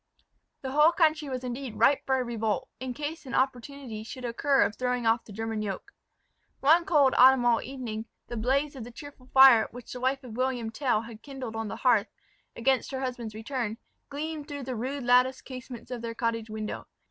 The whole country was indeed ripe for a revolt, in case an opportunity should occur of throwing off the German yoke. One cold autumnal evening, the blaze of the cheerful fire which the wife of William Tell had kindled on the hearth, against her husband's return, gleamed through the rude latticed casements of their cottage window.